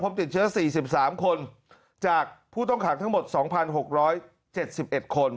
พบติดเชื้อสี่สิบสามคนจากผู้ต้องหางทั้งหมดสองพันหกร้อยเจ็ดสิบเอ็ดคน